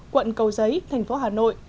quận cầu giấy tp hà nội